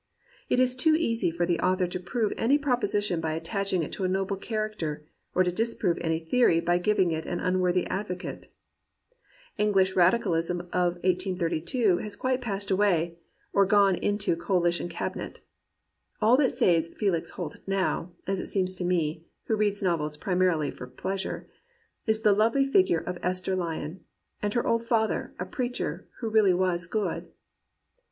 It is too easy for the author to prove any proposition by attaching it to a noble character, or to disprove any theory by giving it an unworthy advocate. English radicalism of 1832 has quite passed away, 148 GEORGE ELIOT AND REAL WOMEN or gone into the Coalition Cabinet. All that saves Fdix Holt now (as it seems to me, who read novels primarily for pleasure) is the lovely figure of Esther Lyon, and her old father, a preacher who really was good.